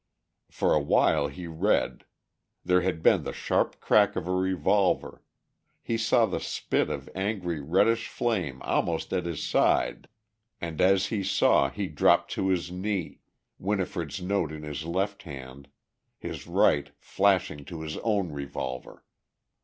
For, while he read, there had been the sharp crack of a revolver, he saw the spit of angry reddish flame almost at his side, and as he saw he dropped to his knee, Winifred's note in his left hand, his right flashing to his own revolver.